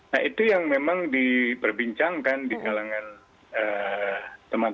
nah itu yang memang diperbincangkan di kalangan teman teman